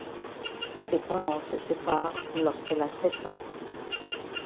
Ses parents se séparent lorsqu'elle a sept ans.